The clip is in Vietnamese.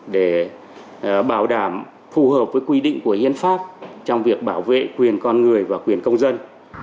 để bảo đảm phù hợp với quy định của hiến pháp trong việc bảo vệ quyền con người và quyền công dân